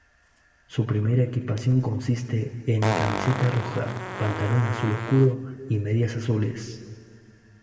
Su primera equipación consiste en camiseta roja, pantalón azul oscuro y medias azules.